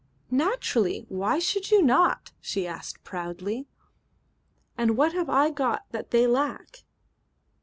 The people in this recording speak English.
"Naturally. Why should you not?" she asked proudly. "And what have I got that they lack?"